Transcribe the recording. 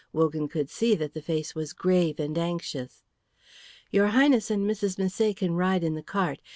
Wogan could see that the face was grave and anxious. "Your Highness and Mrs. Misset can ride in the cart.